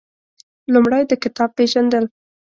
لومړی د کتاب پېژندل